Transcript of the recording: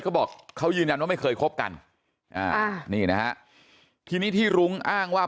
เขาบอกเขายืนยันว่าไม่เคยคบกันอ่านี่นะฮะทีนี้ที่รุ้งอ้างว่า